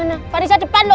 nah nah pak riza depan loh